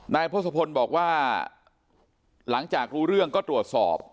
ทศพลบอกว่าหลังจากรู้เรื่องก็ตรวจสอบ